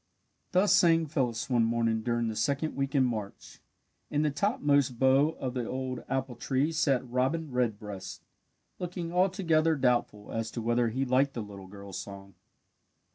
'" Thus sang Phyllis one morning during the second week in March. In the topmost bough of the old apple tree sat Robin Redbreast, looking altogether doubtful as to whether he liked the little girl's song.